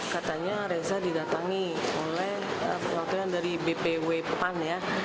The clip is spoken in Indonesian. katanya reza didatangi oleh perwakilan dari bpw pan ya